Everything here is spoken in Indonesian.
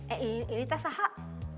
eh ini tersahak